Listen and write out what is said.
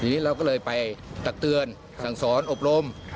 ทีนี้เราก็เลยไปตักเตือนสั่งสอนอบรม